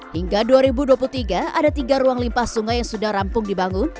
hingga dua ribu dua puluh tiga ada tiga ruang limpah sungai yang sudah rampung dibangun